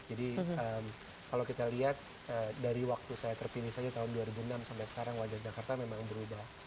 jadi kalau kita lihat dari waktu saya terpilih saja tahun dua ribu enam sampai sekarang wajah jakarta memang berubah